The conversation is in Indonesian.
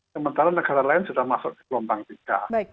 sementara negara lain sudah masuk ke gelombang tiga